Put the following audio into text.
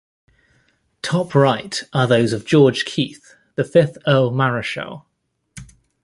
Top right are those of George Keith, the fifth Earl Marischal.